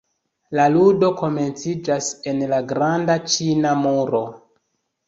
La ludo komenciĝas en la Granda Ĉina Muro.